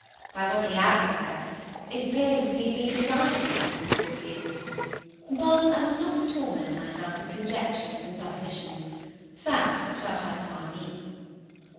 By what the Admiral says, it appears as if he had been designedly kept in the "Scorpion." But I will not torment myself with conjectures and suppositions; facts shall satisfy me.